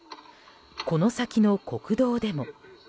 この先の国道でも。